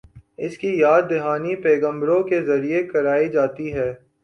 اس کی یاد دہانی پیغمبروں کے ذریعے کرائی جاتی ہے۔